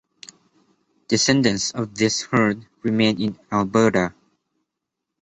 Descendants of this herd remain in Alberta.